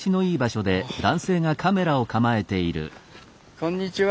こんにちは。